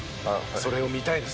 それを見たいです。